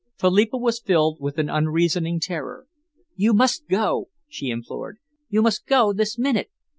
Philippa was filled with an unreasoning terror. "You must go!" she implored. "You must go this minute!